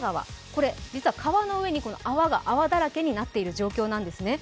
これ実は川の上に泡で泡だらけになっている状況なんですね。